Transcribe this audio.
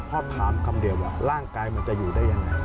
พ่อถามคำเดียวร่างกายมันจะอยู่ได้อย่างไร